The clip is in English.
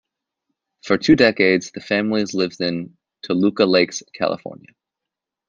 For two decades, the family lived in Tolucca Lakes, California.